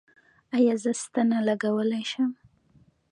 ایا زه ستنه لګولی شم؟